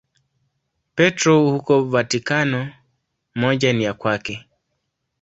Petro huko Vatikano, moja ni ya kwake.